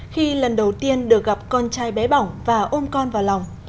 khi lần đầu tiên được gặp con trai bé bỏng và ôm con vào lòng